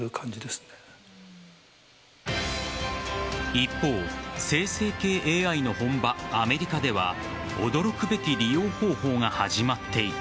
一方、生成系ＡＩの本場アメリカでは驚くべき利用方法が始まっていた。